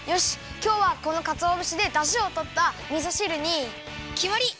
きょうはこのかつおぶしでだしをとったみそ汁にきまり！